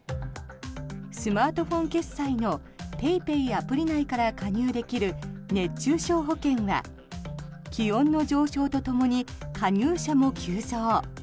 スマートフォン決済のＰａｙＰａｙアプリ内から加入できる熱中症保険は気温の上昇とともに加入者も急増。